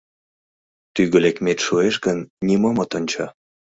«Тӱгӧ лекмет шуэш гын, нимом от ончо.